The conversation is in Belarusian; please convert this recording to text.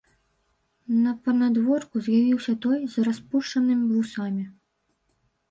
На панадворку з'явіўся той, з распушанымі вусамі.